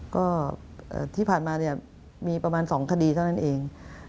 ก็ที่ผ่านมาเนี่ยมีประมาณ๒คดีเท่านั้นเอง